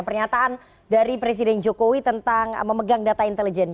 pernyataan dari presiden jokowi tentang memegang data intelijen